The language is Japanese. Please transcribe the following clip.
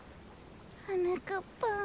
はなかっぱん。